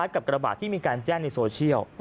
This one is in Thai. กระบาดที่มีการแจ้งในโซเชียล